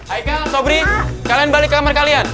aika sobri kalian balik ke kamar kalian